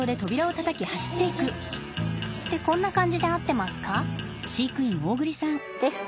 ってこんな感じで合ってますか？